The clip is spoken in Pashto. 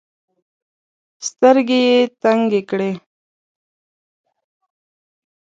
سترګي یې تنګي کړې .